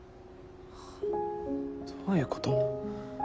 どういうこと？